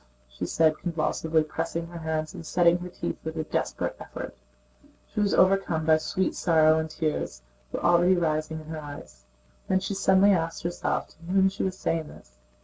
she said, convulsively pressing her hands and setting her teeth with a desperate effort.... She was overcome by sweet sorrow and tears were already rising in her eyes; then she suddenly asked herself to whom she was saying this.